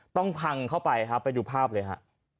พังเข้าไปครับไปดูภาพเลยฮะ